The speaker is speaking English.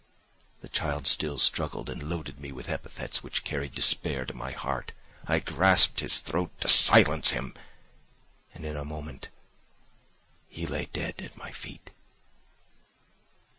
"The child still struggled and loaded me with epithets which carried despair to my heart; I grasped his throat to silence him, and in a moment he lay dead at my feet.